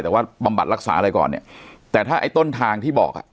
แต่ว่าบำบัดรักษาอะไรก่อนเนี่ยแต่ถ้าไอ้ต้นทางที่บอกอ่ะ